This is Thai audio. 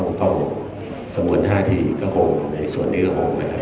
ป้องป้องสมุน๕ทีก็หงในส่วนนี้อ่ะหงนะครับ